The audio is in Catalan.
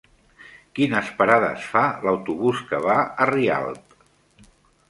Quines parades fa l'autobús que va a Rialp?